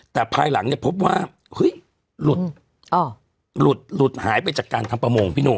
แต่ภายหลังเนี่ยพบว่าเฮ้ยหลุดหลุดหายไปจากการทำประมงพี่หนุ่ม